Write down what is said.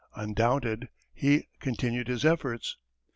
Undaunted he continued his efforts.